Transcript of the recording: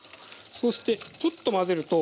そうしてちょっと混ぜると